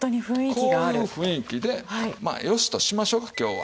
こういう雰囲気でまあ良しとしましょうか今日は。